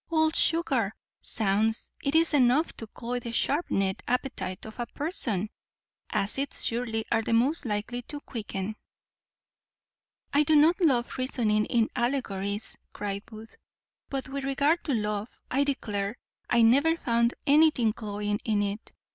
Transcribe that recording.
all sugar! zounds! it is enough to cloy the sharp set appetite of a parson. Acids surely are the most likely to quicken." "I do not love reasoning in allegories," cries Booth; "but with regard to love, I declare I never found anything cloying in it.